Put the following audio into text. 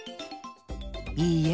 いいえ。